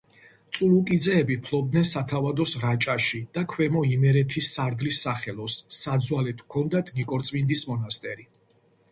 წულუკიძეები ფლობდნენ სათავადოს რაჭაში და ქვემო იმერეთის სარდლის სახელოს; საძვალედ ჰქონდათ ნიკორწმინდის მონასტერი.